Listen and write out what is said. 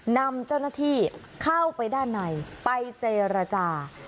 นำเจ้าหน้าที่เข้าไปด้านในไปเจรจา